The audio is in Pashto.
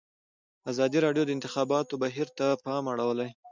ازادي راډیو د د انتخاباتو بهیر ته پام اړولی.